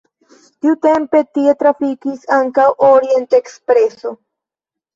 Tiutempe tie trafikis ankaŭ Orient-ekspreso.